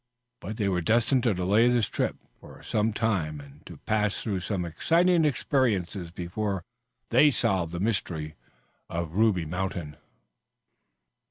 But they were destined to delay this trip for some time, and to pass through some exciting experiences before they solved the mystery of the Ruby Mountain.